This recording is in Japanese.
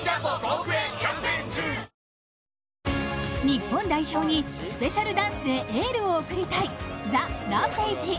日本代表にスペシャルダンスでエールを送りたいＴＨＥＲＡＭＰＡＧＥ。